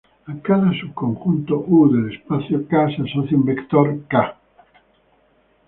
A cada subconjunto 𝑢 del espacio 𝐾 se asocia un vector 𝑘⃗.